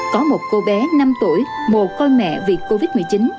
có một cô bé năm tuổi mổ côi mẹ vì covid một mươi chín